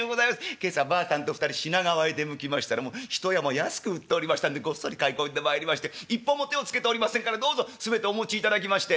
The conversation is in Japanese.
今朝ばあさんと２人品川へ出向きましたら１山安く売っておりましたんでごっそり買い込んでまいりまして一本も手をつけておりませんからどうぞ全てお持ちいただきまして」。